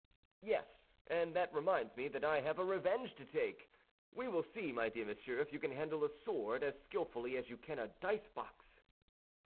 "Yes; and that reminds me that I have a revenge to take. We will see, my dear monsieur, if you can handle a sword as skillfully as you can a dice box."